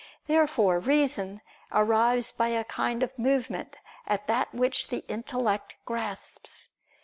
Therefore reason arrives by a kind of movement at that which the intellect grasps.